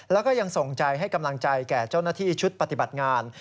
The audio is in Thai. แล้วก็ยังส่งใจให้กำลังใจแก่เจ้าหน้าที่ชุดปฏิบัติงาน